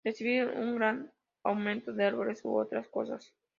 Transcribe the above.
Recibir un gran aumento de árboles u otras cosas".